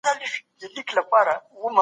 هغه ځان له خطره وژغوری او خوندي پاته سو.